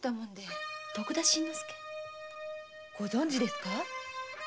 ご存じですか？